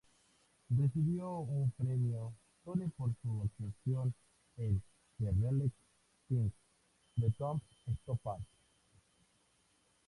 Recibió un premio Tony por su actuación en "The Real Thing", de Tom Stoppard.